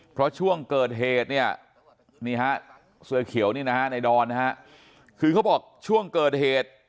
เพราะตอนเกิดเหตุเสร็จเนี่ยพี่เขาบอกว่าช่วงเกิดเหตุ